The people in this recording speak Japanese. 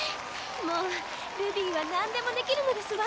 もうルビィは何でもできるのですわ。